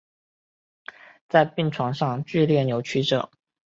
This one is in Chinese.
在病床上剧烈扭曲著